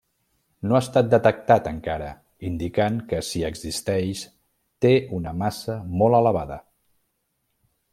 No ha estat detectat encara, indicant que, si existeix, té una massa molt elevada.